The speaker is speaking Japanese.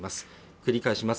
繰り返します